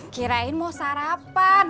kirain mau sarapan